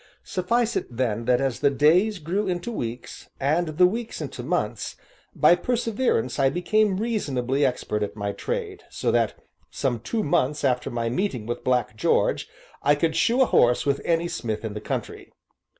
Suffice it then that as the days grew into weeks, and the weeks into months, by perseverance I became reasonably expert at my trade, so that, some two months after my meeting with Black George, I could shoe a horse with any smith in the country.